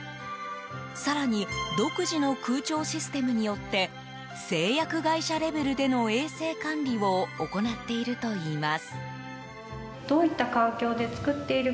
更に独自の空調システムによって製薬会社レベルでの衛生管理を行っているといいます。